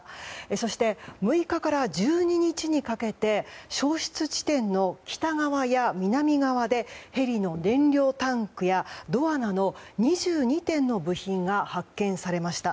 そして、６日から１２日にかけて消失地点の北側や南側でヘリの燃料タンクやドアなど２２点の部品が発見されました。